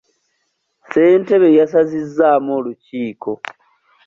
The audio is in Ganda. Ssentebe yasazizaamu olukiiko.